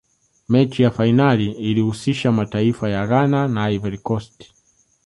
mechi ya fainali ilihusisha mataifa ya ghana na ivory coast